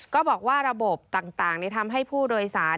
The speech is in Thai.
ก็บอกว่าระบบต่างทำให้ผู้โดยสาร